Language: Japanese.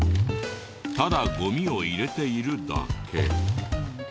ただゴミを入れているだけ。